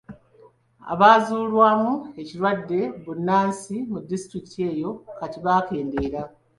Abazuulwamu ekirwadde bbunansi mu disitulikiti eyo kati baakendeera.